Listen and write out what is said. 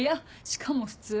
しかも普通。